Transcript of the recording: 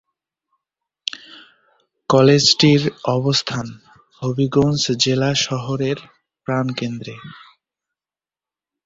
কলেজটির অবস্থান হবিগঞ্জ জেলা শহরের প্রাণকেন্দ্রে।